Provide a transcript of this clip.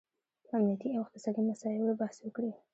په امنیتي او اقتصادي مساییلو بحث وکړي